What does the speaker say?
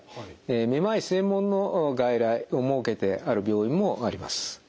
めまい専門の外来を設けてある病院もあります。